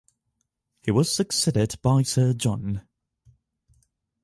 He was succeeded by Sir John.